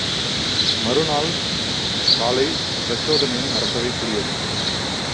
மறுநாள் காலை பிரச்சோதனனின் அரசவை கூடியது.